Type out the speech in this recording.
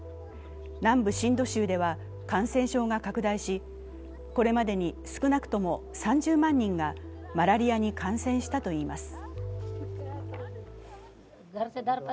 南部シンド州では感染症が拡大しこれまでに少なくとも３０万人がマラリアに感染したといいます。